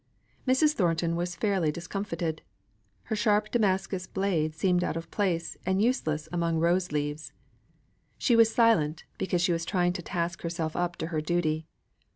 Mrs. Thornton was fairly discomfited. Her sharp Damascus blade seemed out of place, and useless among rose leaves. She was silent because she was trying to task herself up to her duty.